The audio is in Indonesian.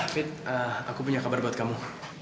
fit aku punya kabar buat kamu